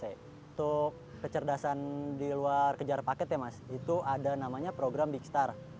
untuk kecerdasan di luar kejar paket ya mas itu ada namanya program big star